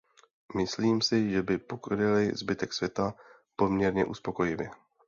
Myslím si, že by pokryly zbytek světa poměrně uspokojivě.